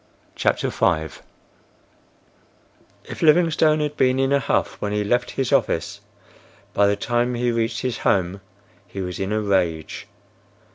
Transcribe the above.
CHAPTER V If Livingstone had been in a huff when he left his office, by the time he reached his home he was in a rage.